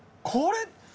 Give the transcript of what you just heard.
これ！